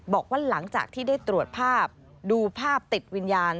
บอกว่าหลังจากที่ได้ตรวจภาพดูภาพติดวิญญาณ